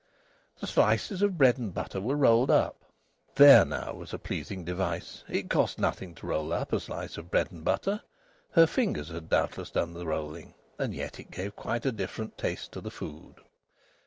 The slices of bread and butter were rolled up. There, now, was a pleasing device! It cost nothing to roll up a slice of bread and butter her fingers had doubtless done the rolling and yet it gave quite a different taste to the food.